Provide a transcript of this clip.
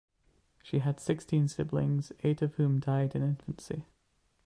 She had sixteen siblings, eight of whom died in infancy.